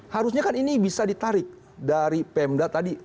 harusnya kan ini bisa ditarik dari pemda tadi